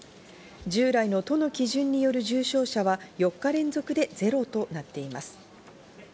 従来の都の基準による重症者は４日連続でゼロとなっています。